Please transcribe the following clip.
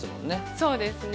そうですね。